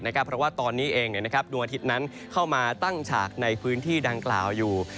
เพราะว่าตอนนี้เองดวงอาทิตย์นั้นเข้ามาตั้งฉากในพื้นที่ดังกล่าวอยู่